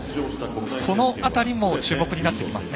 その辺りも注目になってきますね。